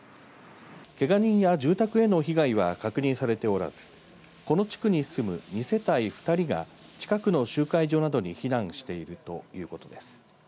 けが人や住宅への被害は確認されておらずこの地区に住む２世帯２人が近くの集会所などに避難しているということです。